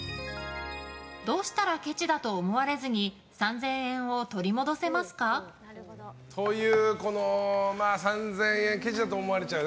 どうしたらケチだと思われずに３０００円を取り戻せますか？という、３０００円ケチだと思われちゃう。